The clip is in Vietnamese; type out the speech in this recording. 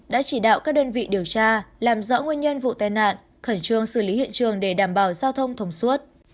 đã chỉ đạo các đơn vị điều tra làm rõ nguyên nhân vụ tai nạn khẩn trương xử lý hiện trường để đảm bảo giao thông thông suốt